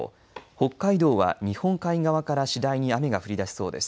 北海道は、日本海側から次第に雨が降りだしそうです。